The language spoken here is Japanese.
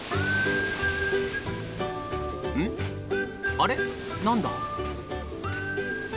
あれ何だ？